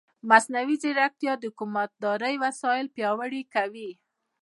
مصنوعي ځیرکتیا د حکومتدارۍ وسایل پیاوړي کوي.